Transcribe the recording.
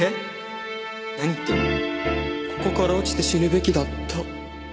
ここから落ちて死ぬべきだった。